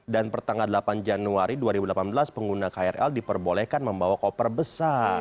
dan pertengah delapan januari dua ribu delapan belas pengguna krl diperbolehkan membawa koper besar